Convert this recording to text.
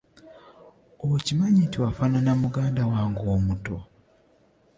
Okimanyi nti wafaanana muganda wange omuto.